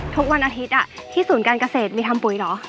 ทุกวันอาทิตย์ที่ศูนย์การเกษตรมีทำปุ๋ยเหรอ